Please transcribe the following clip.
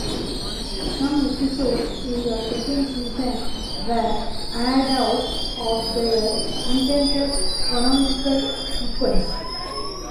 Some episodes in the second season were aired out of their intended chronological sequence.